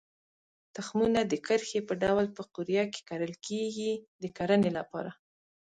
تخمونه د کرښې په ډول په قوریه کې کرل کېږي د کرنې لپاره.